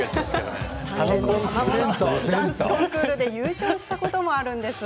ダンスコンクールで優勝したこともあるんです。